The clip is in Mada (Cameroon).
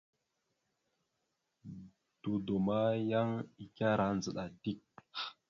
Dodo ma, yan ekará ndzəɗa dik.